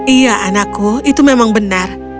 iya anakku itu memang benar